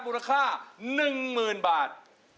มูลค่า๑๐๐๐บาท